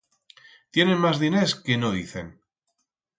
Tienen mas diners que no dicen.